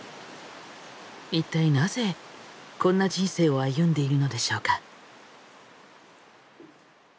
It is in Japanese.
一体なぜこんな人生を歩んでいるのでしょうか？